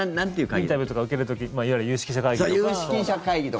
インタビューとか受ける時いわゆる有識者会議とか。